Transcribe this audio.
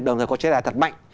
đồng thời có chế đài thật mạnh